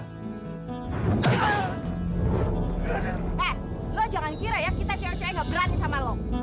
eh lo jangan kira ya kita cewek cewek gak berani sama lo